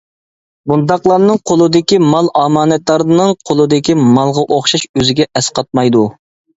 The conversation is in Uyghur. بۇنداقلارنىڭ قولىدىكى مال ئامانەتدارنىڭ قولىدىكى مالغا ئوخشاش ئۆزىگە ئەسقاتمايدۇ.